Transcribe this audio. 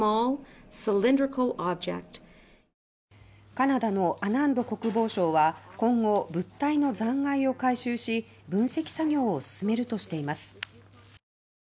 カナダのアナンド国防相は今後物体の残骸を回収し分析作業を進めるとしています。